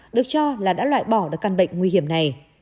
được cho là đã loại bỏ được căn bệnh nguy hiểm này